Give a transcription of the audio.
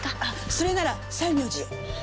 それなら西明寺よ。